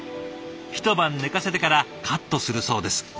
一晩寝かせてからカットするそうです。